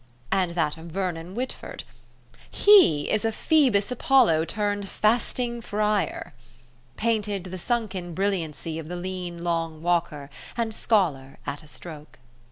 And that of Vernon Whitford: "He is a Phoebus Apollo turned fasting friar," painted the sunken brilliancy of the lean long walker and scholar at a stroke.